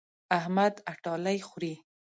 احمد اټالۍ خوري.